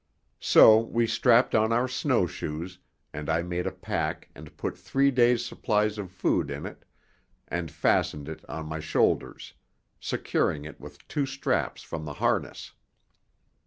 So we strapped on our snow shoes, and I made a pack and put three days' supplies of food in it and fastened it on my shoulders, securing it with two straps from the harness.